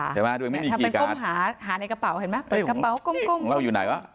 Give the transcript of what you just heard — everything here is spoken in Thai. ทำเป็นก้มหาในกระเป๋าเห็นมั้ยเปิดกระเป๋าก้ม